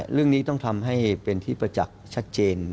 เรื่องนี้ต้องทำให้เป็นที่ประจักษ์ชัดเจน